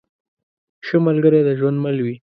ښه ملګری د ژوند مل وي.